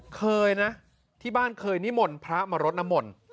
เคยนะที่บ้านเคยนิหม่นพระมารดนม่น